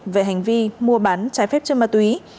về hành vi mua bán trái phép chân ma túy